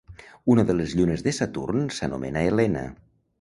Una de les llunes de Saturn s'anomena Helena.